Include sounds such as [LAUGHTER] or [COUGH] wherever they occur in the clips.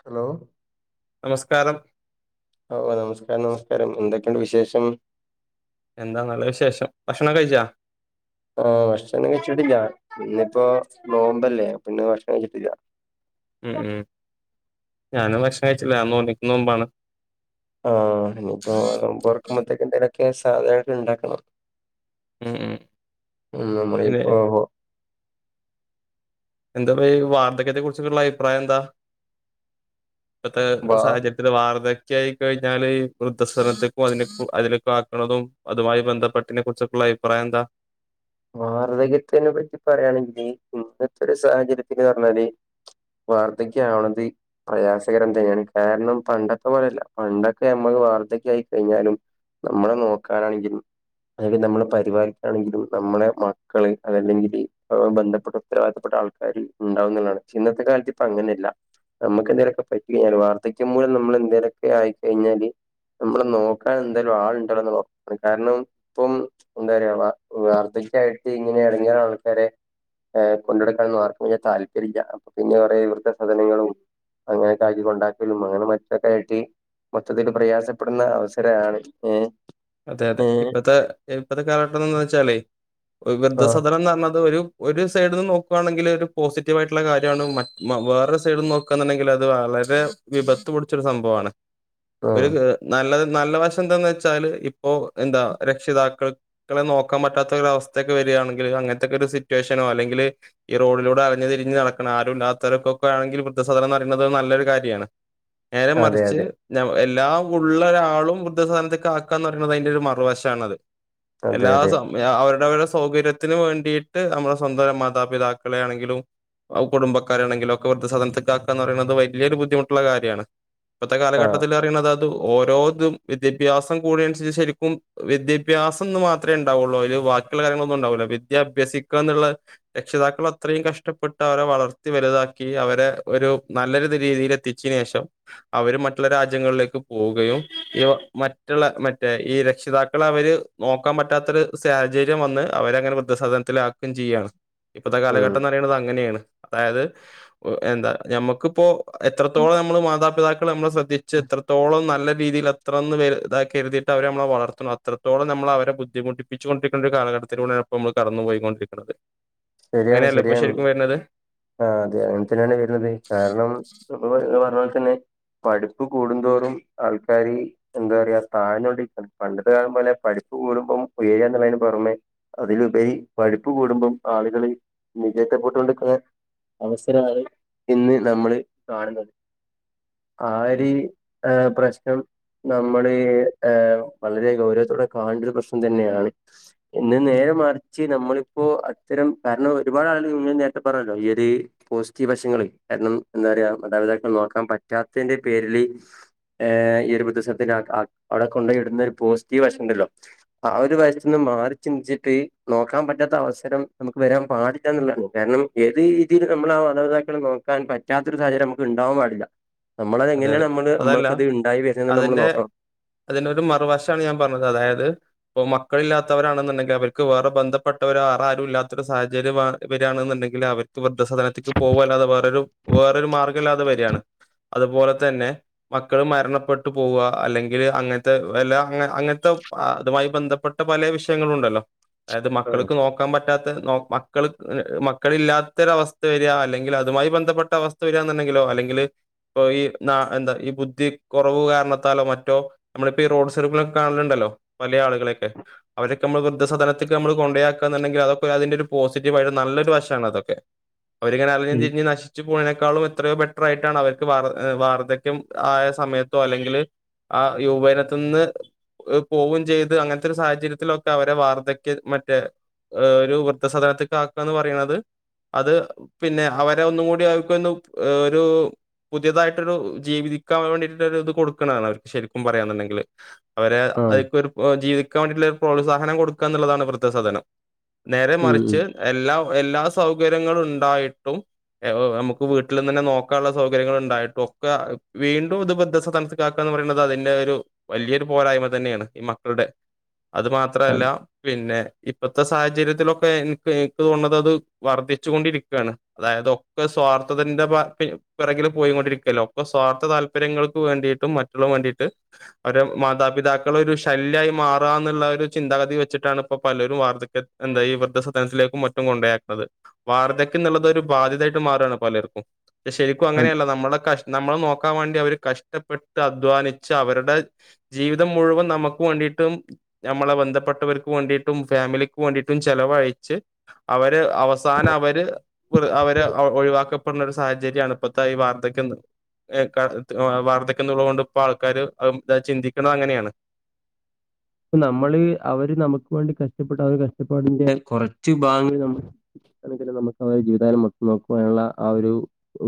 Hello നമസ്കാരം ഓഹ് നമസ്കാരം നമസ്കാരം എന്തൊക്കെയുണ്ട് വിശേഷം എന്താ നല്ല വിശേഷം ഭക്ഷണം കഴിച്ചാ ആഹ് ഭക്ഷണം കഴിച്ചിട്ടില്ല ഇന്നിപ്പോ നോമ്പല്ലേ പിന്നെ ഭക്ഷണം കഴിച്ചിട്ടില്ല ഉം ഉം ഞാനും ഭക്ഷണം കഴിച്ചില്ലോന്നിക്കുന്ന മുമ്പാണ് ആഹ് ഇനിയിപ്പോ നോമ്പ്റക്കുമ്പോത്തേക്കെ എന്തെങ്കിലുമൊക്കെ സാധനൊക്കെ ഉണ്ടാക്കണം ഉം ഉം ഉംന മായി പിന്നെ പോവോ എന്താ വാർധക്യത്തെ കുറിച്ചൊള്ള അഭിപ്രായം എന്താ ഇപ്പത്തെ വാ സാഹചര്യൽ വാർ ആായിഴഞ്ഞാല് വൃദ്ധലത്തേക്ക അതിലേക്കെ ആക്കുന്നതും അതുമായി ബന്ധപ്പെട്ടതിനെ കുറച്ചൊക്കെ അഭിപ്രായം എന്താ വാർധക്യത്തിനെ പറ്റി പറയാണെങ്കില് ഇന്നത്തെ ഒരു സാഹചര്യത്തിന്ന് പറഞ്ഞാല് വർധിക്കാവത് പ്രയാസകരം തന്നെയാണ് കാരണം പണ്ടത്തെ പോലെയല്ല പണ്ടൊക്കെ നമ്മ വാർധക്യായി കഴിഞ്ഞാലും നമ്മളെ നോക്കാനാണെങ്കിലും അല്ലെങ്കിൽ നമ്മളെ പരിപാലിക്കാണെങ്കിലും നമ്മുടെ മക്കള് അതല്ലെങ്കില് ബന്ധപ്പെട്ട ഉത്തരവാദിത്തപ്പെട്ട ആൾക്കാർ ഉണ്ടാവുന്ന എന്നുള്ളതാണ് ഇന്നത്തെ കാലത്ത് ഇപ്പ അങ്ങനെയല്ല നമുക്ക് എന്തേക്കെ പറ്റി കഴിഞ്ഞാല് വാർധക്യം മൂലം നമ്മൾ എന്തേരൊക്കെ ആയിക്കഴിഞ്ഞാല് നമ്മള് നോക്കാൻ എന്തായാലും ആളുണ്ടല്ലോണ് കാരണം ഇപ്പം എന്താ വാർധക്കായിട്ട് ഇങ്ങനെ ഇറങ്ങിയ ആൾക്കാരെ ർ കൊണ്ടെടുക്കാൻെന്ന് ആർക്കും താല്പര്യാം അപ്പൊ പിന്നെ കുറ വൃദ്ധ സദനങ്ങളും അങ്ങനെൊക്കെ ആ ഉണ്ടാക്കല്ല അങ്ങനെ മറ്റൊക്കെ ആട്ടി മൊത്തത്തിൽ പ്രയാസപ്പെടുന്ന അവസരമാണ് ഏ അതെ അതെ ഇപ്പത്തെ ഇപ്പഴത്തെ കാലഘട്ട എന്ന് വെച്ചാലേ ആഹ് വൃദ്ധസദനം എന്ന് പറഞ്ഞത് ഒരു ഒരു സൈഡിൽ നിന്ന് നോക്കുവാണെങ്കിൽ ഒരു പോസിറ്റീവ് ആയിട്ടുള്ള കാര്യമാണ് മ വേറെ സൈഡിൽന്ന് നോക്കുകന്നുണ്ടെങ്കിൽ അത് വളരെ വിപത്ത് പൊടിച്ചൊരു സംഭവമാണ് ഒരു ആഹ് നല്ല നല്ല വശം എന്താന്ന് വെച്ചാല് ഇപ്പോ എന്താ രക്ഷിതാക്കൾ ക്കളെ നോക്കാൻ പറ്റാത്തൊരവസ്ഥയൊക്കെ വരിയാണെങ്കിൽ അങ്ങൻത്തെക്കെ ഒരു സിറ്റുവേഷൻ. അല്ലെങ്കില് ഈ റോഡിലൂടെ അലഞ്ഞ് തിഞ്ഞ് നടക്കണ ആരും ഇല്ലാത്തര്കൊക്കെ ആണെങ്കിലും, വൃദ്ധസധനം എന്ന് പറയുന്നത് നല്ലരു കാര്യ ര്യാണ്. നേരെ അതെ മറിച്ച് അതെ ഞ എല്ലാം ഉള്ളരാളും വൃദ്ധസദൻത്ക് ആക ന്ന് അതിന്റെ ഒരു മറുവശാണത്. അതെ എല്ലാ അതെ സ അവര വരുടെ... സൗകര്യത്തിന് വേണ്ടിയിട്ട് നമ്മുടെ സ്വന്തം മാതാപിതാക്കളെ ആണെങ്കിലും. പ്പൊ അഹ് കുടുംബക്കാരാണെങ്കിലൊക്കെ, വൃദ്ധസധൻത്ക്ക് ആക്കാന്ന് പറയിണത് വല്ല്യരു ബുദ്ധിമുട്ടുള്ള കാര്യാണ്. ഇപ്പത്തെ ആഹ് കാലഘട്ടത്തിലറിയിണത്, അത് ഓരോതും വിദ്യാഭ്യാസം കൂട ശരിക്കും വിദ്യാഭ്യാസം ന്ന് മാത്രേ ണ്ടാവുള്ളൂ, അതില് ബാക്കിയുള്ള കാര്യങ്ങളൊന്നും ണ്ടാവുല. വിദ്യ ഭ്യാസിക്ക എന്ന് ക്കള് രക്ഷിതാക്കൾ അത്രയും കഷ്ടപ്പെട്ട് അവരെ വളർത്തി വലുതാക്കി അവരെ ഒരു നല്ലൊരു രീതി തില് എത്തിച്ചിനേഷം, അവര് മറ്റുള്ള രാജ്യങ്ങളിലേക്ക് പോവുകയും മറ്റുള്ള മ ഈ രക്ഷിതാക്കളെ അവര് നോക്കാൻ പറ്റാത്തൊരു സാഹചര്യം വന്ന്. അവരങ്ങനെ വൃദ്ധസധനത്തിലാക്കും ചെയ്യാണ്. ഇപ്പത്തെ ഉം കാലഘട്ടംന്നറീണത് അങ്ങനെയാണ്, അതായത് എന്താ ഞമ്മക്ക് പ്പോ എത്രത്തോളം ഉം. നമ്മള് മാതാപിതാക്കളെ നമ്മള് ശ്രദ്ധിച്ച് എത്രത്തോളം നല്ല രീതിൽ അത്രന്ന് വ ഇതാക്കരുത് യിപ് ട്ട അവര് നമ്മളെ വളർത്തുന്നു, അത്രത്തോളം നമ്മള് അവരെ ബുദ്ധിമുട്ടിപ്പിച്ചുകൊണ്ടിരിക്കുന്ന ഒരു കാലഘത്തിലൂടെയാണ് ഇപ്പൊ നമ്മള് കടന്ന് പോയിക്കൊണ്ടിരിക്കുന്നത്. ശരിയാണ്, അങ്ങനെയല്ലേ ഇപ്പൊ ശരിയാണ്. ശരിക്കും വരുന്നത് ആ, അതെ. അങ്ങൻ തന്നെയാണ് വരുന്നത്. കാരണം നമ്മള് പറഞ്ഞ പോലെ തന്നെ... പഠിപ്പ് കൂടുന്തോറും ആൾക്കാര് എന്താ പറയാ [UNINTELLIGIBLE] പണ്ടത്തെ കാലം പോലെ പഠി കൂടുമ്പം ഉയരാ എന്നുള്ളതിന് പൊറമേ അതിലുപരി പഴുപ്പ് കൂടുമ്പം ആളുകള് [UNINTELLIGIBLE] അവസരവാണ് ഇന്ന് നമ്മള് കാണുന്നത് ഉം ആരി ആഹ് പ്രശ്നം നമ്മള് ഏഹ് വളരെ ഗൗരവത്തോടെ കാണണ്ടോരു പ്രശ്നം തന്നെയാണ് എന്നാ ഉം. നേരെ മറിച്ച് നമ്മളിപ്പോ അത്തരം കാരണം ഒരുപാട് ആള് ഇങ്ങ നേരത്തെ പറഞ്ഞല്ലോ ഈ ഒര് പോസിറ്റീവ് വശങ്ങള് കാരണം എന്താ പറയാ ഇതെക്കെ നോക്കാൻ പറ്റാത്തെന്റെ പേരില് ഈഹ് ഈയൊരു പ്രത്യേക സാലത്തേക്ക് [UNINTELLIGIBLE] കൊണ്ടോവിടുന്ന ഒരു പോസിറ്റീവ് വശംണ്ടല്ലോ ആ ഒരു വശ മാറി ചിന്തിച്ചിട്ട് നോക്കാൻ പറ്റാത്ത അവസരം നമുക്ക് വരാൻ പാടില്ലന്നുള്ളണ് കാരണം ഏത് രീതിൽ നമ്മളാ മാതാപിതാക്കളെ നോക്കാൻ പറ്റാത്തൊരു സാഹചര്യം നമ്മ്ക്ക് ണ്ടാവാൻ പാടില്ല നമ്മളത് അതെ എങ്ങനെയാ അതെ നമ്മള് അതല്ല നമ്മൾക്കത് ഇണ്ടായി വരുന്നെന്ന് അതിന്റെ നമ്മള് നോക്കണം അതിനൊരു മറുവശാണ് ഞാൻ പറഞ്ഞത് അതായത് ഇപ്പോ മക്കളില്ലാത്തവരാണെന്നുണ്ടെങ്കി അവർക്ക് വേറെ ബന്ധപ്പെട്ടവരോ വറെ ആരൂല്ലാത്തൊരു സാഹചര്യം വര്കാണ് ന്ന് ണ്ടേങ്കിൽ അവര്ക്ക് വൃദ്ധസദാനത്തിക്ക് പോവല്ലാതെ വെറൊരു വെറൊരു മാർഗല്ലാതെ വര്കാണ് അതുപോലെ തന്നെ മക്കൾ മരണപ്പെട്ടു പോവ അല്ലെങ്കില് അങ്ങനത്തെ അല്ല അ അങ്ങനത്തെ അതുമായി ബന്ധപ്പെട്ട പല വിഷയങ്ങളുണ്ടല്ലോ അതായത് മക്കൾക്ക് നോക്കാൻ പറ്റ റ്റാത്ത നോക്ക് മക്കള് മക്കളില്ലാത്തൊരവസ്ഥ വരിക അല്ലെങ്കിൽ അതുമായി ബന്ധപ്പെട്ട അവസ്ഥ വരികന്നെണ്ടാ ങ്കിലോ അല്ലെങ്കില് ഇപ്പോ ഈ ന എന്താ ഈ ബുദ്ധി കൊറവ് കാരണത്താലോ മറ്റോ നമ്മളിപ്പോ ഈ റോഡ് സൈഡിമെലൊക്കെ കാണ ണ്ടല്ലോ പല ആളുകളെയെക്കെ അവരെക്കെ നമ്മ വൃദ്ധ സദനത്തിക്ക് നമ്മള് കൊണ്ടേയാക്കാന്ന്ണ്ടങ്കിൽ അതൊക്കെ അതിന്റൊരു പോസിറ്റീവ് നല്ലൊരു വശാവാണ് അതൊക്കെ അവരിങ്ങനെ അലഞ്ഞും ഈ തിരിഞ്ഞും നശിച്ചു പോണെക്കാളും എത്രയോ ബെറ്റർ ആയിട്ടാണ് അവർ ക്ക് വാർ വാർദ്ധക്യം ആയ സമയത്തോ അല്ലെങ്കില് ആഹ് യൗവനത്തിന്ന് അത് പോവും ചെയ്ത് അങ്ങനത്തെരു സാഹചര്യത്തിലൊക്കെ അവരെ വാർദ്ധക്ക് മറ്റേ ഏഹ് ഒരു വൃദ്ധ സാദനത്ത് ക്ക് ആക്കാന്ന് പറയ്ണത് അത് പിന്നെ അവരെ ഒന്നും കൂടി അത്ക്കൊന്ന് ഒരു പുതിയതായിട്ടൊരു ജീവിതിക്കാൻ വേണ്ടിയിട്ടൊരു ഇത് കൊടുക്കണതാണ് അവർക്ക് ശരിക്കും പറയാന്ന് ണ്ടെങ്കില് അവരെ ആഹ് അയ്ക്കൊരു പോ ജീവിക്കാൻ വേണ്ടിയ്ട്ട്ള്ള ഒരു പ്രോത്സാഹനം കൊടുക്കാന്ന്ള്ളതാണ് വൃദ്ധ സദനം. നേരെ ഉം മറിച്ച് ഉം എല്ലാ എല്ലാ സൗകര്യങ്ങളും ഉണ്ടായിട്ടും ഏഹ് നമുക്ക് വീട്ടില്ന്നന്നെ നോക്കാള്ള സൗകര്യങ്ങള് ഇണ്ടായിട്ടും ഒക്കെ വീണ്ടും ഇത് വൃദ്ധസദനത്ത്ക്ക് ആക്കാന്ന് പറയ്ണത് അതിന്റെ ഒരു വല്യേ ഒര് പോരാ യ്മ തന്നേണ് ഈ മക്കൾടെ അത് മാത്രല്ല അത് പിന്നെ ഇ പ്പത്തെ സാഹചര്യത്തിലൊക്കെ ഇൻക്ക് എനിക്ക് തോന്ന്ണത് അത് വർദ്ധിച്ചു കൊണ്ടിരിക്കാണ് അതായത് ഒക്കെ സ്വാർ ത്ഥതന്റെ ബാക്കി പിറകില് പോയിങ്ങൊണ്ടിരിക്കല്ലോ അപ്പൊ സ്വാർത്ഥ താല്പര്യങ്ങൾക്ക് വേണ്ടീട്ടും മറ്റ്ള്ളതും വേണ്ടീട്ട് അവരെ മാതാപി പിതാക്കള് ഒരു ശല്യായി മാറാന്ന്ള്ള ഒരു ചിന്താഗതി വെച്ചിട്ടാണ് ഇപ്പോ പലരും വാർദ്ധക്യ എന്താ ഈ വൃദ്ധ സദ നത്തിലേക്കും മറ്റും കൊണ്ടോയാക്ക്ണത് വാർദ്ധക്യം ന്ന് ള്ളത് ഒരു ബാധ്യതായിട്ട് മാറാണ് പലർക്കും. ക്കും അത് അങ്ങനേല്ലൊ നമ്മളെ കഷ് നമ്മളെ നോക്കാൻ വേണ്ടി അവര് കഷ്ടപ്പെട്ട് അധ്വാനിച്ച് അവര്ടെ ജീവിതം മുഴുവൻ നമുക്ക് വേണ്ടിട്ടും ഞമ്മള ബന്ധപ്പെട്ടവർക്ക് വേണ്ടീട്ടും ഫാമിലിക്ക് വേണ്ടീട്ടും ചെലവഴിച്ച് അവര് അവസാനം അവര് വൃ അവരെ ഒ ഒഴിവാക്കപ്പെടുന്ന ഒരു സാഹചര്യാണ് ഇപ്പത്തെ ഈ വാർദ്ധക്യം ന്ന് ഏഹ് ക വാർദ്ധക്ക്യം ന്ന്ള്ളതോണ്ട് ഇപ്പ ആൾക്കാര് അത് വേ ചിന്തിക്ക്ണത് അങ്ങനേണ്. പ്പ നമ്മള് അവര് നമുക്ക് വേണ്ടി കഷ്ടപ്പെട്ട ഒരു കഷ്ടപ്പാടിന്റെ കുറച്ച് ഭാഗ നമ്മ അെങ്കിലും നമുക്ക് അവരുടെ ജീവിതകാലം മൊത്തം നോക്കുവാനുള്ള ആ ഒരു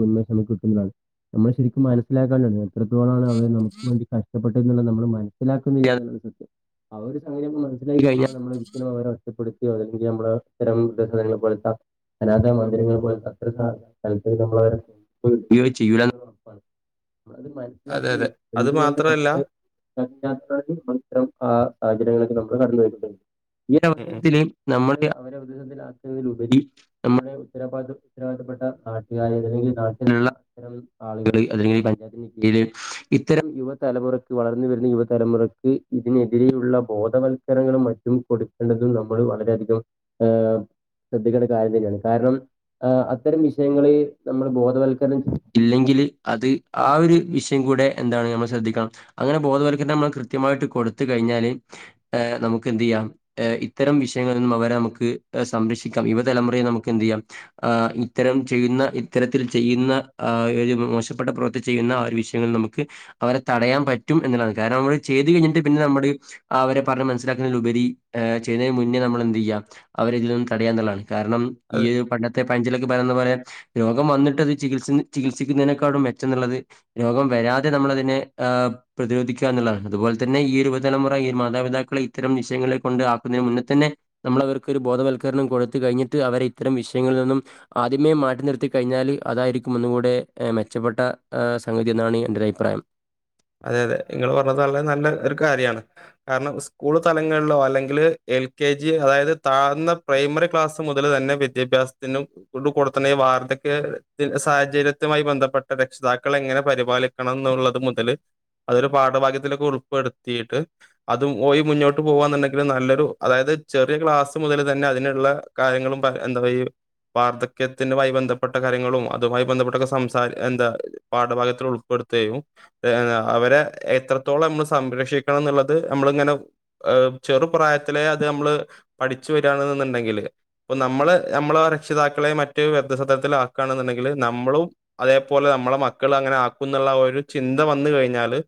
ഉന്മേഷം നമുക്ക് കിട്ടുന്നതാണ് നമ്മള് ശരിക്കും മനസ്സിലാക്കാണ്ടാണ് എത്രത്തോളാണ് അവരെ നമുക്ക് വേണ്ടി കഷ്ടപ്പെട്ട എന്നുള്ള നമ്മൾ മനസ്സിലാക്കുന്നില്ല എന്നുള്ള സത്യം അവര് സംം മനസിലാക്കി കിഞ്ഞാൽ നമ്മള് വിൽ അവരോ [UNINTELLIGIBLE] അല്ലെങ്കി നമ്മള് [UNINTELLIGIBLE] അനാഥ മന്ദിരങ്ങൾ പോലെ അത്ര [UNINTELLIGIBLE] നമ്മള് അവരെ [UNINTELLIGIBLE] [UNINTELLIGIBLE] [INAUDIBLE] ത് അതെ അതെ മനസ്സിലാക്കുന്നില്ലാ അത് എന്തുകൊണ്ട് മാത്രല്ല നമ്മുടെ [UNINTELLIGIBLE] മാത്രം ആ സാഹചര്യങ്ങളൊക്കെ നമ്മളും കടന്നു [UNINTELLIGIBLE] ഈ ഉം ഉം അവസരത്തില് നമ്മുടെ അവരെ പ്രതിസന്ധാക്കുന്നതിലുപരി നമ്മുടെ ഉത്തരവാദം ഉത്തരവാദിത്തപ്പെട്ട നാട്ടുകാര് ഏതെങ്കിലും നാട്ടു [UNINTELLIGIBLE] അല്ല പഞ്ചായത്തിൻ കീഴിൽ ഇത്തരം യുവതലമുറക്ക് വളർന്ന് വരുന്ന തലമുറയ്ക്ക് ഇതിനെതിരെയുള്ള ബോധവൽക്കരങ്ങളും മറ്റും കൊടുക്കേണ്ടതും നമ്മൾ വളരെയധികം ഏഹ് ശ്രദ്ധിക്കേണ്ട കാര്യം തന്നെയാണ് കാരണം ആ അത്തരം വിഷയങ്ങള് നമ്മള് ബോധവൽക്കരണം ഇല്ലെങ്കില് അത് ആ ഒരു വിഷയം കൂടെ [UNINTELLIGIBLE] ശ്രദ്ധിക്കണം അങ്ങനെ ബോധവൽക്കരണം നമ്മള് കൃത്യമായിട്ട് കൊടുത്ത് കഴിഞ്ഞാല് നമുക്ക് എന്ത് ചെയ്യാം ഇത്തരം വിഷയങ്ങളിൽ നിന്നും അവരെ നമുക്ക് സംര ക്ഷിക്കാം യുവതലമുറയെ നമുക്ക് എന്ത് ചെയ്യാം ഇത്തരം ചെയ്യുന്ന ഇത്തരത്തിൽ ചെയ്യുന്ന ആ മോശപ്പെട്ട പ്രവർത്തി ചെയ്യുന്ന ആ ഒരു വിഷയങ്ങൾ നമുക്ക് അവരെ തടയാൻ പറ്റും എന്നുള്ളതാണ് കാരണം അവർ ചെയ്ത് കഴിഞ്ഞിട്ട് പിന്നെ നമ്മള് അവരെ പറഞ്ഞ് മനസ്സിലാക്കുന്നതിൽ ഉപരി ചെയ്തതിന് മുന്നേ നമ്മൾ എന്ത് ചെയ്യുക അവരെ ഇതിൽ നിന്ന് തടയാൻ എന്നുള്ളതാണ് കാരണം ഈ അത് ഒരു പണ്ടത്തെ പഞ്ചിലൊക്കെ പറയുന്ന പോലെ രോഗം വന്നിട്ട് അത് ചികിത്സ ചികിത്സിക്കുന്നതിനേക്കാളും മെച്ചം എന്നുള്ളത് രോഗം വരാതെ നമ്മളതിനെ പ്രതിരോധിക്കുക എന്നുള്ളതാണ് അതുപോലെ ത തന്നെ ഈ ഒരു യുവതലമുറ ഈ മാതാപിതാക്കളെ ഇത്തരം വിഷയങ്ങളെ കൊണ്ട് ആക്കുന്നേന് മുന്നെ തന്നെ നമ്മള് അവർക്ക് ഒരു ബോധവൽക്കരണം വൽക്കരണം കൊടുത്തു കഴിഞ്ഞിട്ട് അവരെ ഇത്തരം വിഷയങ്ങളിൽ നിന്നും ആദ്യമേ മാറ്റി നിർത്തി കഴിഞ്ഞാൽ അതായിരിക്കും ഒന്ന് കൂടെ മെച്ചപ്പെട്ട സംഗതി എന്നാണ് എന്റെ ഒരു അഭിപ്രായം അതെ അതെ നിങ്ങൾ പറഞ്ഞത് വളരെ നല്ല ഒരു കാര്യമാണ് കാരണം സ്കൂൾ തലങ്ങളിലോ അല്ലെങ്കി എൽ കെ ജി അതായത് താഴ്ന്ന പ്രൈമറി ക്ലാസ് മുതൽ തന്നെ വിദ്യാഭ്യാസത്തിനും [UNINTELLIGIBLE] കൊടുത്ത [UNINTELLIGIBLE] [UNINTELLIGIBLE] സാഹചര്യത്തുമായി ബന്ധപ്പെട്ട രക്ഷിതാക്കൾ എങ്ങനെ പരിപാലിക്കണം എന്നുള്ളത് മുതല് അതൊരു പാഠഭാഗ്യത്തിലൊക്കെ ഉൾപ്പടുത്തീട്ട് അതുമായി മുന്നോട്ട് പോവാന്നുണ്ടെങ്കില് നല്ലൊരു അതായത് ചെറിയ ക്ലാസ് മുതല് തന്നെ അതിനുള്ള കാര്യങ്ങളും പറ എന്താ പറ വാർധക്യത്തിനുമായി ബന്ധപ്പെട്ട കാര്യങ്ങളും അതുമായി ബന്ധപ്പെട്ടൊക്കെ സംസാ എന്താ പാഠഭാഗത്തിൽ ഉൾപ്പെ [UNINTELLIGIBLE] അവരെ എത്രത്തോളം നമ്മള് സംരക്ഷിക്കണം എന്നുള്ളത് നമ്മള് ഇങ്ങനെ ചെറുപ്രായ ത്തിലേ അത് നമ്മള് പഠിച്ചു [UNINTELLIGIBLE] നമ്മള് നമ്മളെ രക്ഷിതാക്കളെ മറ്റു വൃദ്ധസദനത്തിലാക്കാന്നുണ്ടെങ്കില് നമ്മളും അതേപോലെ നമ്മള മക്കളും അങ്ങനെ ആക്കുന്നുള്ള ഒരു ചി ചിന്ത വന്നു കഴിഞ്ഞാല്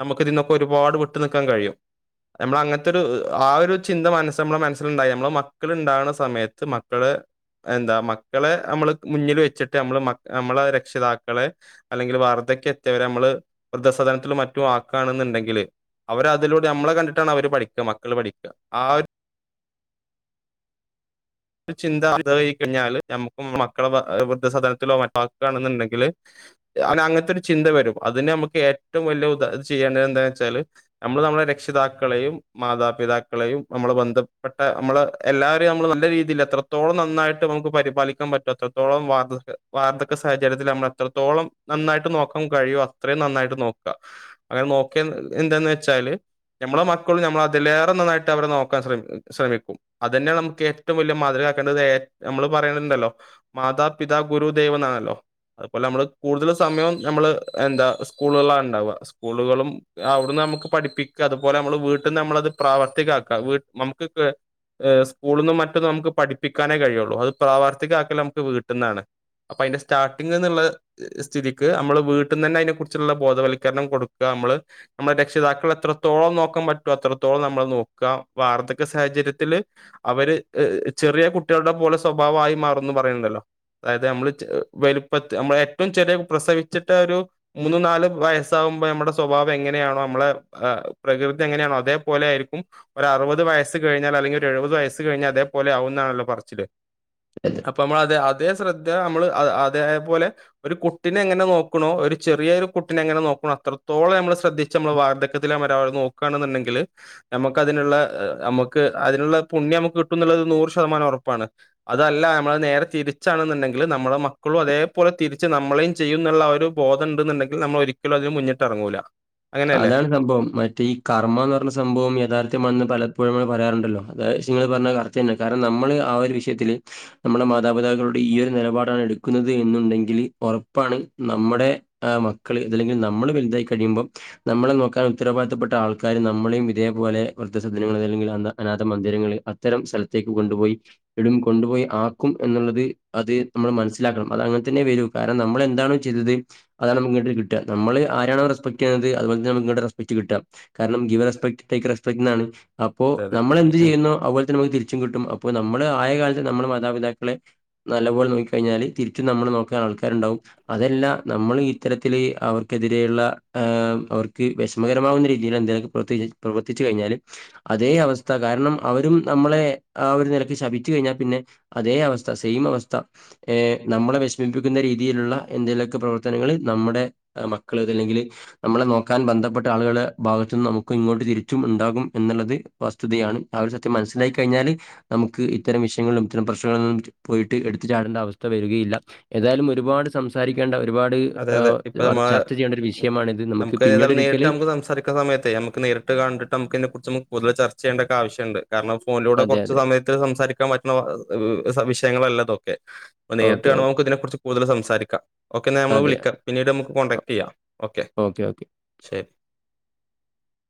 നമുക്ക് ഇതീന്നൊക്കെ ഒരുപാട് വിട്ടു നിക്കാൻ കഴിയും നമ്മള് അങ്ങനത്തെ ഒരു ആ ഒരു ചിന്ത മനസ്സ് നമ്മുടെ മനസ്സിലിണ്ടായാ നമ്മള് മക്കള് ഇണ്ടാവണ സമയത്ത് മക്കളെ എന്താ മക്കളെ നമ്മള് മുന്നില് വെച്ചിട്ട് നമ്മള് നമ്മളെ രക്ഷിതാക്കളെ അല്ലെങ്കിൽ വാർദ്ധ അതൊക്കെ എത്തിയവരെ നമ്മള് വൃദ്ധസദനത്തിലും മറ്റും ആക്കണണെന്നുണ്ടെങ്കില് അവര് അതിലൂടെ നമ്മളെ കണ്ടിട്ടാണ് അവര് പഠിക്കമക്കൾ പഠിക്ക ആ ചിന്ത [UNINTELLIGIBLE] കഴിഞ്ഞാല് ഞമ്മക്കും മക്കളെ വൃദ്ധസദനത്തിലോ മറ്റും ആക്കാണെന്നുണ്ടെങ്കില് അങ്ങനത്തെ ഒരു ചിന്ത വരും അതിനെ നമുക്ക് ഏറ്റവും വലിയ ഉദാ ചെയ്യേണ്ടത് എന്താന്ന് വെച്ചാല് നമ്മള് നമ്മ രക്ഷിതാക്കളെയും മാതാപിതാക്കളെയും നമ്മള് ബന്ധപ്പെട്ട നമ്മള് എല്ലാവരെയും നമ്മള് നല്ല രീതി എത്രത്തോളം നന്നായിട്ട് നമുക്ക് പരിപാലിക്കാൻ പറ്റും എത്രത്തോളം വാർദ്ധ വാർദ്ധക്യ സാഹചര്യത്തില് നമ്മള് എത്രത്തോളം ത്തോളം നന്നായിട്ട് നോക്കാൻ കഴിയോ അത്രയും നന്നായിട്ട് നോക്കാ അങ്ങനെ നോക്കിയാ എന്താന്ന് വെച്ചാല് ഞമ്മളെ മക്കളും ഞമ്മളെ അതിലേറെ നന്നായിട്ട് അവരെ നോക്കാൻ ശ്ര ശ്രമിക്കും അത് തന്നെയാ നമുക്ക് ഏറ്റവും വലിയ മാതൃകയാക്കേണ്ടത് ഏ നമ്മൾ പറയുന്നുണ്ടല്ലോ മാതാപിതാ ഗുരു ദൈവം എന്നാണല്ലോ അതുപോലെ നമ്മള് കൂടുതല് സമയം ഞമ്മള് എന്താ സ്കൂളുകള് ളാ ഇണ്ടാവ സ്കൂളുകളും അവിടന്ന് നമുക്ക് പഠിപ്പിക്ക അതുപോലെ നമ്മള് വീട്ട്ന്ന് നമ്മളത് പ്രാവർത്തികാക്ക വീ നമുക്ക് കേ ഏഹ് സ്കൂള്ന്നും മറ്റും നമുക്ക് പിഠിപ്പിക്കാനേ കഴിയുള്ളൂ അത് പ്രാവർത്തികാക്കല് നമുക്ക് വീട്ട്ന്നാണ്. അപ്പൊ അയ്ന്റെ സ്റ്റാർട്ടിംങ്ങ് എന്ന്ള്ള സ്ഥിതിക്ക് അമ്മള് വീട്ട്ന്നെന്നെ അതി യിനെ കുറിച്ച്ള്ള ബോധവൽക്കരണം കൊടുക്ക. നമ്മള് നമ്മളെ രക്ഷിതാക്കളെ എത്രത്തോളം നോക്കാൻ പറ്റോ അത്രത്തോളം നമ്മൾ നോക്ക വാർദ്ധക്യ സാഹചര്യ ത്തില് അവര് ചെറ്യേ കുട്ട്യേൾടെ പോലെ സ്വഭാവായി മാറുംന്ന് പറയ്ണ്ടല്ലോ അതായത് ഞമ്മള് ചെ വെല്‌പ്പത്ത് അമ്മളേറ്റവും ചെറ്യേ പ്രസവിച്ച്ട്ടെരു മൂന്ന് നാല് വയസ്സാ കുമ്പ ഞമ്മടെ സ്വഭാവെങ്ങനെയാണോ അമ്മളെ അ പ്രകൃതി എങ്ങനെയാണോ അതേപോലേയ്രിക്കും ഒരറ്പത് വയസ് സ് കഴിഞ്ഞാല് അല്ലെങ്കീ ഒരെഴ്പത് വയസ് കഴിഞ്ഞാ അതേപ്പോലെ ആവുന്നാണല്ലോ പറച്ചില് അപ്പമ്മളത് ആ തേ ശ്രദ്ധ അമ്മള് അ അതേ പോലെ ഒരു കുട്ടിനെ എങ്ങനെ നോക്ക്ണോ ഒര് ചെറ്യേര് കുട്ടിനെ എങ്ങനെ നോ ക്ക്ണോ അത്രത്തോള ഞമ്മള് ശ്രദ്ധിച്ചമ്മള് വാർധക്യത്തിലമരെ അവരെ നോ ക്കണം ന്ന്ണ്ടെങ്കില് ഞമ്മക്കതിന്ള്ളെ ഞമ്മക്ക് അതിന്ള്ള പുണ്യമ്മക്ക് ക് ട്ടും ന്ന്ള്ളത് നൂറ് ശതമാനം ഒറപ്പാണ് അതല്ല ഞമ്മളത് നേരെ തിരിച്ചാണ്ന്ന്ണ്ടെങ്കില് നമ്മളെ മക്കളും അതേപോലെ തിരിച്ച് നമ്മളെയും ചെയ്യുംന്ന്ള്ള ആ ഒര് ബോധണ്ട്ന്ന്ണ്ടെങ്കിൽ നമ്മളൊരിക്കലും അതിന് മുന്നിട്ടെറങ്ങൂലാ അതാണ് സംഭവം മറ്റേ ഈ കർമ്മാന്ന് പർഞ്ഞ സംഭവം യഥാർത്യമാൺന്ന് പലപ്പെഴും മ്മള് പറയാറ്ണ്ടല്ലോ അതെ ശേ ഇങ്ങള് പറഞ്ഞത് കറക്റ്റ്ന്നെ കാര്ണം നമ്മള് ആ ഒരു വിഷ്‌യ്ത്തില് നമ്മളെ മാതാപിതാക്കളൊട് ഈ ഒരു നെലപാടാണ് എട്ക്കുന്നത് എന്നുണ്ടെങ്കില് ഒറപ്പാണ് നമ്മടെ ആഹ് മക്കള് അതല്ലെങ്കിൽ നമ്മള് വെൽതായി കഴിയുമ്പം നമ്മളെ നോക്കാൻ ഉത്തരവാദിത്തപ്പെട്ട ആൾക്കാര് നമ്മളേം ഇതേപോലെ വൃദ്ധ സദനങ്ങളില് അല്ലെങ്കിൽ അന്ത അനാഥ മന്ദിരങ്ങള് അത്തരം സ്ഥൽത്തേക്ക് കൊണ്ട്പോയി ഇടും കൊണ്ടുപോയി ആക്കും എന്ന്ള്ളത് അത് നമ്മള് മൻസ്സ്ലാക്കണം അതാ അങ്ങൻ തന്നെ വെരൂ കാരണം നമ്മളെന്താണോ ചെയ്തത് അതാണ് നമ്മക്ക്ങ്ങട്ട് കിട്ടാ നമ്മള് ആരാണോ റെസ്പെക്ട് ത് അത്പോൽത്തന്നെ നമ്ക്ക് ഇങ്ങട്ട് റെസ്പെക്ട് കിട്ടാ കാരണം ഗീവെ റെസ്പെക്ട് റ്റേക്കെ റെസ്പെക്ട് ന്നാണ് അപ്പോ അതെ അതെ ഉം നമ്മളെന്ത് ഉം ചെയ്യ്ന്നോ അത്പോൽ ത്തന്നെ നമ്ക്ക് തിരിച്ചും കിട്ടും അപ്പോ നമ്മള് ആയ കാലത്ത് നമ്മുടെ മാതാപിതാക്കളെ നല്ലപോലെ നോക്കി കയ്ഞ്ഞാല് തിരിച്ചും നമ്മള് നോക്കാനാൾക്കാര്ണ്ടാവും അതെല്ലാ നമ്മള് ഈത്തരത്തില് അവർക്കെതിരെയ്ള്ള ആം അവർക്ക് വെഷമെകെരമാവുന്ന രീതിയിലെന്തേലാെക്കെ പ്രർത്തിച്ച് പ്രവർത്തിച്ച് കയ്ഞ്ഞാല് അതേ അവസ്ഥ കാര്ണം അവ രും നമ്മളെ ആ ഒര് നെലക്ക് ശപിച്ച് കയ്ഞ്ഞാപ്പിന്നെ അതേ അവസ്ഥ സെയിം അവസ്ഥ ഏഹ് നം മ്മളെ വെഷ്മിപ്പിക്കുന്ന രീതിയില്ള്ള എന്തേലൊക്കെ പ്രവർത്തനങ്ങള് നമ്മ്ടെ മക്കള് അതെല്ലെങ്കില് നമ്മളെ നോക്കാൻ ബന്ധപ്പെട്ട ആള്കളെ ഭാഗത്ത്ന്ന് നമുക്കും ഇങ്ങോട്ട് തിരിച്ചും ഇണ്ടാകും എന്ന്ള്ളത് വാസ്തുതിയാണ് അ ആ ഒര് സത്യം മൻസ്സ്ലായ് കയ്ഞ്ഞാല് നമുക്ക് ഇത്തരം വിഷയങ്ങൾലും ഇത്തരം പ്രശ്നങ്ങൾ നിന്നും പോയ്ട്ട് എട്ത്ത് ചാടെണ്ട അവസ്ഥ വര് രുകയില്ല ഏതായാലും ഒരുപാട് സംസാരിക്കേണ്ട ഒരുപാട് അതെ അതെ ഇപ്പൊ ഏഹ് നമ്മള് ചർച്ച ചെയ്യേണ്ട ഒരു വിഷയമാണ് നമുക്ക് ഏതാലും നേരിട്ട് നമുക്ക് സംസാരിക്കുന്ന സമയത്തേ നമ്ക്ക് നേരിട്ട് കണ്ടിട്ട് നമുക്കിതിനെ കുറിച്ചൊന്ന് പൊതുവേ ച ർച്ചെയ്യണ്ടൊക്കെ ആവശ്യണ്ട് കാർണം ഫോൺലൂടെ അതെ കൊർച്ച് അതെ സമയത്ത് സംസാരിക്കാൻ പറ്റുന്ന വ ത് വിഷയങ്ങളല്ല ഇതൊക്കെ പ്പനേരിട്ട് ഓക്കെ കാരണം ഓക്കെ നമുക്കിതിനെ കുറിച്ച് കൂടുതല് സംസാരിക്കാ ഓക്കെന്നാ ഞമ്മള് അതെ വിളിക്കാ പിന്നീട് നമക്ക് കോണ്ടാക്ട് ചെയ്യാ ഓക്കെ ശരി.